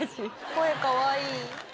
声かわいい。